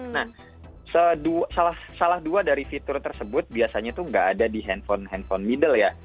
nah salah dua dari fitur tersebut biasanya itu nggak ada di handphone handphone middle ya